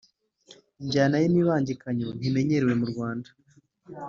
Injyana y’imibangikanyo ntimenyerewe mu Rwanda